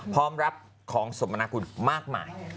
พร้อมรับของสมนาคุณมากมาย